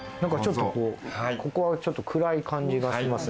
ここはちょっと暗い感じがしますね。